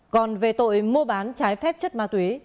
còn về tội mua bán trái phép chất ma túy